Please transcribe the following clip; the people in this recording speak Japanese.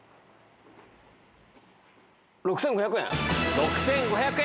６５００円。